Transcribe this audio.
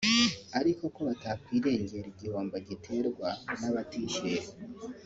ariko ko batakwirengera igihombo giterwa n’abatishyuye